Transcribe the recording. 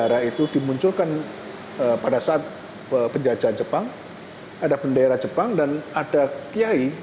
bendera itu dimunculkan pada saat penjajahan jepang ada bendera jepang dan ada kiai